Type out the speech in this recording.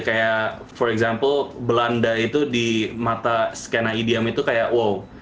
kayak for sampel belanda itu di mata skena idm itu kayak wow